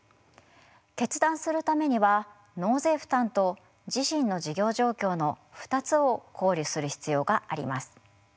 決断するためには納税負担と自身の事業状況の２つを考慮する必要があります。